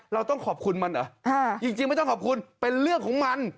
เราต้องขอบคุณมันเหรอจริงไม่ต้องขอบคุณเป็นเรื่องของมัน